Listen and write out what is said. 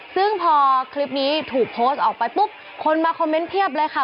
ซึ่งพอคลิปนี้ถูกโพสต์ออกไปปุ๊บคนมาคอมเมนต์เพียบเลยค่ะ